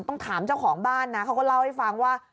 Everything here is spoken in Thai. ต้องถามเจ้าของบ้านนะเขาก็เล่าให้ฟังว่า